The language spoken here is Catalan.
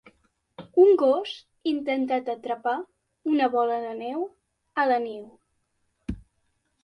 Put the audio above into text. Un gos intentat atrapar una bola de neu a la neu.